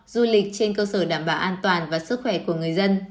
du lịch trên cơ sở đảm bảo an toàn và sức khỏe của người dân